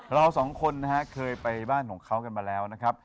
เราสองคนนะฮะเคยไปบ้านของเขากันมาแล้วนะครับ